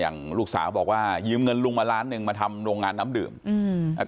ลูกสาวบอกว่ายืมเงินลุงมาล้านหนึ่งมาทำโรงงานน้ำดื่มอืมอ่า